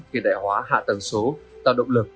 khi đại hóa hạ tầng số tạo động lực